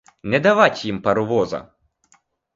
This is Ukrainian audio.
Не давать їм паровоза!